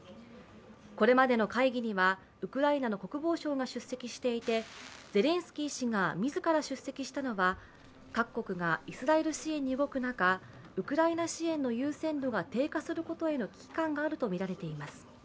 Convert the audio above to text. これまでの会議にはウクライナの国防相が出席していてゼレンスキー氏が自ら出席したのは各国がイスラエル支援に動く中、ウクライナ支援の優先度が低下することへの危機感があるとみられています。